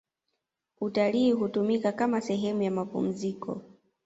utalii hutumika kama sehemu ya mapumziko